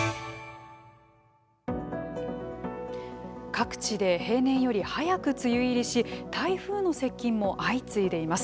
各地で平年より早く梅雨入りし台風の接近も相次いでいます。